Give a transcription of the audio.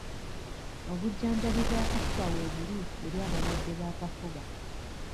Obujjanjabi bw'akafuba weebuli eri abalwadde b'akafuba.